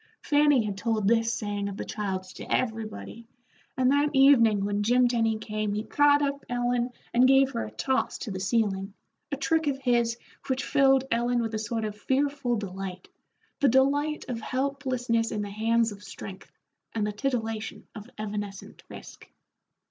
Fanny had told this saying of the child's to everybody, and that evening when Jim Tenny came he caught up Ellen and gave her a toss to the ceiling, a trick of his which filled Ellen with a sort of fearful delight, the delight of helplessness in the hands of strength, and the titillation of evanescent risk.